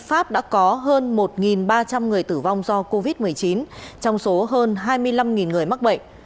pháp đã có hơn một ba trăm linh người tử vong do covid một mươi chín trong số hơn hai mươi năm người mắc bệnh